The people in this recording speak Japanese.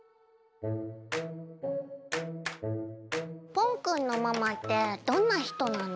ぽんくんのママってどんな人なの？